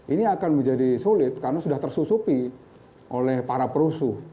ini akan menjadi sulit karena sudah tersusupi oleh para perusuh